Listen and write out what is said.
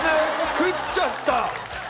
食っちゃった！